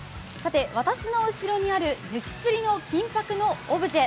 私の後ろにある雪釣りの緊迫のオブジェ。